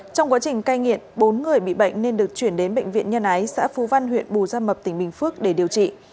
trong quá trình cai nghiện bốn người bị bệnh nên được chuyển đến bệnh viện nhân ái xã phú văn huyện bù gia mập tỉnh bình phước để điều trị